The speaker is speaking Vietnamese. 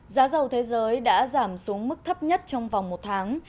giá dầu thế giới đã giảm xuống mức thấp nhất trong vòng một tháng